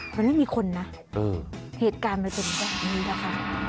มันไม่มีคนนะเหตุการณ์คือมันจนได้แบบนี้ละคะ